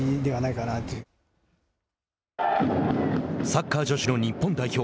サッカー女子の日本代表